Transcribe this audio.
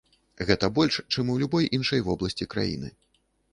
Гэта больш, чым у любой іншай вобласці краіны.